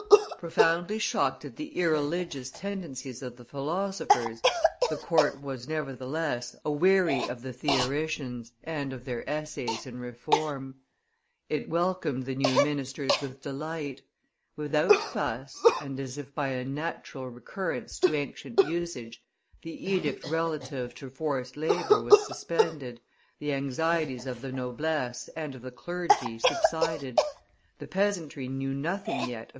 Profoundly shocked at the irreligious tendencies of the philosophers, the court was, nevertheless, aweary of the theoricians and of their essays in reform; it welcomed the new ministers with delight; without fuss, and as if by a natural recurrence to ancient usage, the edict relative to forced labor was suspended, the anxieties of the noblesse and of the clergy subsided; the peasantry knew nothing yet of M.